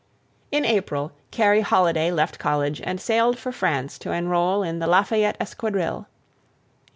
In April, Kerry Holiday left college and sailed for France to enroll in the Lafayette Esquadrille.